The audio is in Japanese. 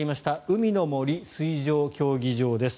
海の森水上競技場です。